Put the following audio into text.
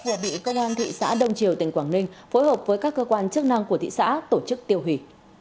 và bị công an thị xã đông triều tỉnh quảng ninh phối hợp với các cơ quan chức năng của thị xã tổ chức tiêu hủy